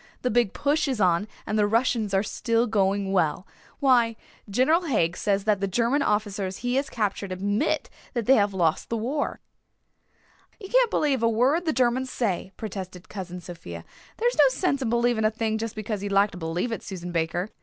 The Big Push is on and the Russians are still going well. Why, General Haig says that the German officers he has captured admit that they have lost the war." "You can't believe a word the Germans say," protested Cousin Sophia. "There is no sense in believing a thing just because you'd like to believe it, Susan Baker.